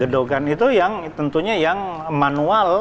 gedogan itu yang tentunya yang manual